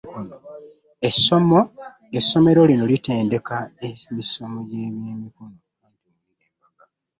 Essomero lino litendeka ennisomo egye bye mikono.